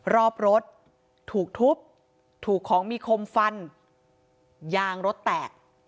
รอบรถถูกทุบถูกของมีคมฟันยางรถแตก